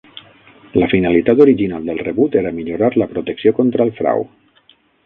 La finalitat original del rebut era millorar la protecció contra el frau.